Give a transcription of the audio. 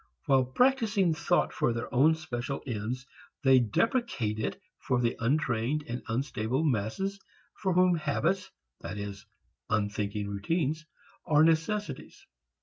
While practising thought for their own special ends they deprecate it for the untrained and unstable masses for whom "habits," that is unthinking routines, are necessities.